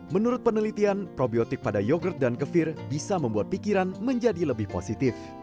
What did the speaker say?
menurut penelitian probiotik pada yogurt dan kefir bisa membuat pikiran menjadi lebih positif